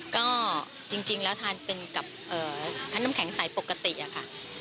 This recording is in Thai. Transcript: ก็จริงแล้วทานเป็นกับทั้งน้ำแข็งใสปกติอะค่ะ